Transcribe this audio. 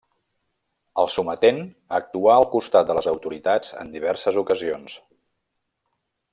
El sometent actuà al costat de les autoritats en diverses ocasions.